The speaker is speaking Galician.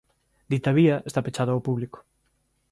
Dita vía está pechada ao público.